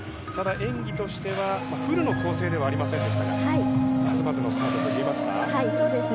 演技としてはフルの構成ではありませんでしたがまずまずのスタートといえますか？